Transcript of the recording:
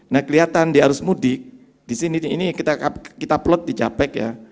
nah kelihatan di arus mudik di sini ini kita plot di capek ya